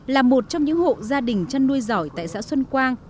là một trong những hộ gia đình chăn nuôi giỏi tại xã xuân quang